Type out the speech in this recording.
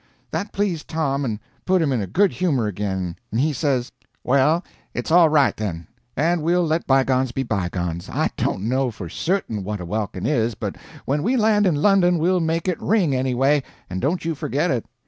That pleased Tom and put him in a good humor again, and he says: "Well, it's all right, then; and we'll let bygones be bygones. I don't know for certain what a welkin is, but when we land in London we'll make it ring, anyway, and don't you forget it."